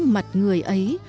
mặt người ấy